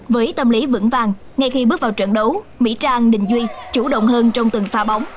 với tâm lý vững vàng ngay khi bước vào trận đấu mỹ trang đình duy chủ động hơn trong từng pha bóng